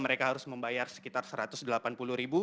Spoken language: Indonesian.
mereka harus membayar sekitar rp satu ratus delapan puluh ribu